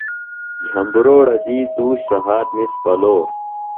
جھمبروڑہ دی تُوش سھات نِس پلو